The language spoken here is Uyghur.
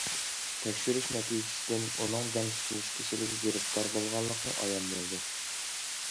تەكشۈرۈش نەتىجىسىدىن ئۇنىڭ دەم سىقىلىش كېسىلىگە گىرىپتار بولغانلىقى ئايان بولدى.